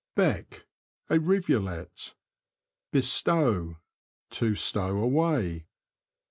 Beck. — A rivulet. Bestow. — To stow away.